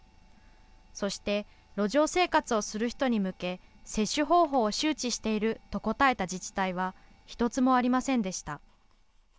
そして、路上生活をする人に向け、接種方法を周知していると答えた自治体は一つもありませんでした。